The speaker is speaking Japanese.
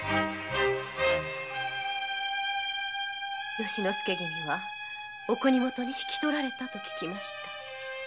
由之助君はお国元に引き取られたと聞きました。